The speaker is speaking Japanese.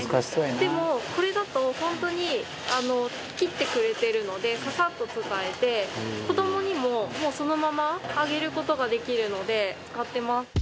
でもこれだと本当に切ってくれてるのでササッと使えて子どもにももうそのままあげる事ができるので使ってます。